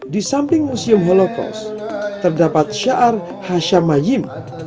di samping museum holocaust terdapat syar hashamayim